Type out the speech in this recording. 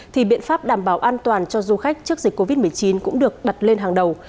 thì biện pháp đảm bảo an toàn cho du khách trước dịch covid một mươi chín cũng được đặt lên hàng đầu